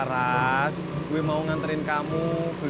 nah udah muh di hermite